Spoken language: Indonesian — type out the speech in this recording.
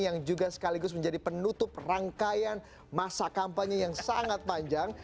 yang juga sekaligus menjadi penutup rangkaian masa kampanye yang sangat panjang